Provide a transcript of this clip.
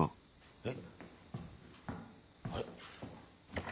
えっ？